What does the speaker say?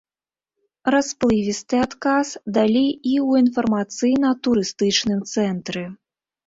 Расплывісты адказ далі і ў інфармацыйна-турыстычным цэнтры.